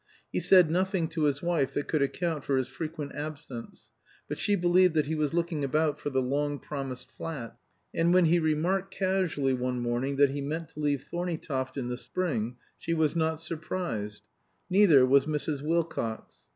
He said nothing to his wife that could account for his frequent absence, but she believed that he was looking about for the long promised flat; and when he remarked casually one morning that he meant to leave Thorneytoft in the spring she was not surprised. Neither was Mrs. Wilcox.